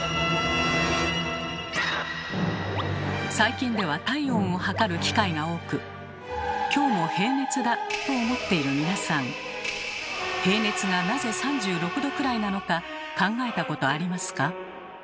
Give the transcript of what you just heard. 最近では体温を測る機会が多く「今日も平熱だ」と思っている皆さん平熱がなぜ３６℃くらいなのか考えたことありますか？